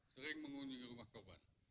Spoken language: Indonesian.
sering mengunjungi rumah korban